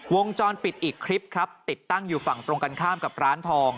วงจรปิดอีกคลิปครับติดตั้งอยู่ฝั่งตรงกันข้ามกับร้านทอง